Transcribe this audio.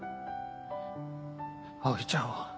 葵ちゃんは？